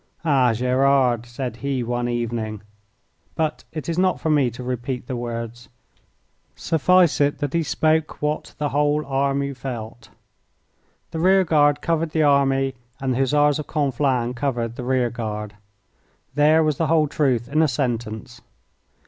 "Ah, Gerard," said he one evening but it is not for me to repeat the words. Suffice it that he spoke what the whole army felt. The rear guard covered the army and the Hussars of Conflans covered the rear guard. There was the whole truth in a sentence.